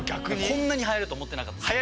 こんなにはやると思ってなかったんで。